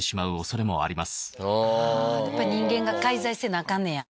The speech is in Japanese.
やっぱり人間が介在せなアカンのや。